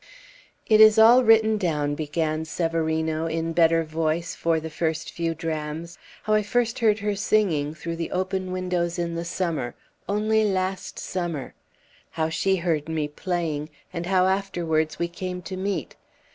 "It is all written down," began Severino, in better voice for the first few drams: "how I first heard her singing through the open windows in the summer only last summer! how she heard me playing, and how afterwards we came to meet.